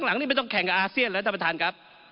หลังนี้ไม่ต้องแข่งกับอาเซียนแล้วท่านประธานครับ